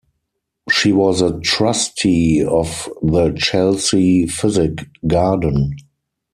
She was a Trustee of the Chelsea Physic Garden.